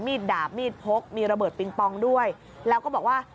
ดาบมีดพกมีระเบิดปิงปองด้วยแล้วก็บอกว่า